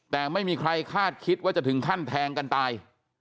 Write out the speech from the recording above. แต่ไม่มีใครคาดคิดว่าจะถึงขั้นแทงกันตาย